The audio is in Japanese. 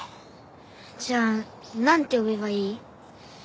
じゃあなんて呼べばいい？